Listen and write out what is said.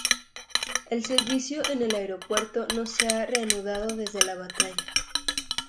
El servicio en el aeropuerto no se ha reanudado desde la batalla.